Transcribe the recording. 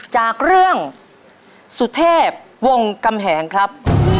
จากเรื่องสุเทพวงกำแหงครับ